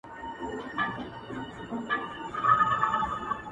حقيقت د وخت قرباني کيږي تل,